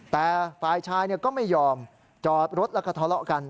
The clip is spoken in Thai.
แต่ฝ่ายชายก็ไม่ยอมจอดรถแล้วก็ทะเลาะกัน